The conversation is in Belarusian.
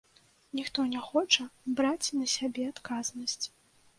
Ніхто не хоча браць на сябе адказнасць.